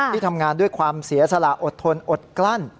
ที่ทำงานด้วยความเสียสละอดทนอดกลั้น